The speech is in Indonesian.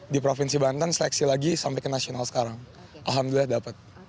di provinsi banten seleksi lagi sampai ke nasional sekarang alhamdulillah dapat